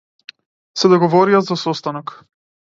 Се договорија за состанок.